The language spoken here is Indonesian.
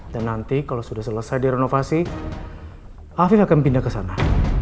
dan nanti kalau sudah selesai direnovasi afif akan pindah ke sana